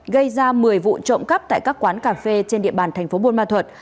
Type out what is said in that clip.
gây ra một mươi vụ trộm cắp tại các quán cà phê trên địa bàn tp bôn ma thuật